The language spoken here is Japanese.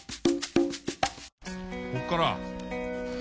ここから。